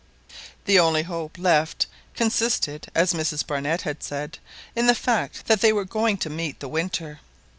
The only hope left consisted, as Mrs Barnett had said, in the fact that they were going to meet the winter.